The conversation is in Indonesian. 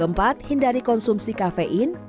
kempat hindari konsumsi kafein baik kopi maupun teh